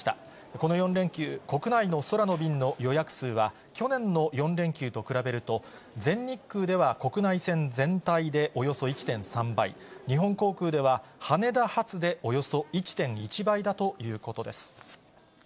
この４連休、国内の空の便の予約数は、去年の４連休と比べると、全日空では国内線全体でおよそ１．３倍、日本航空では羽田発でおよそ１．１倍だということです。